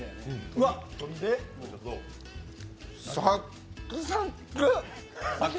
うわ、サックサク。